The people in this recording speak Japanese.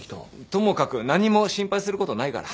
ともかく何も心配することないから。